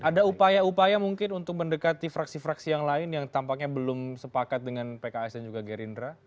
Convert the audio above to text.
ada upaya upaya mungkin untuk mendekati fraksi fraksi yang lain yang tampaknya belum sepakat dengan pks dan juga gerindra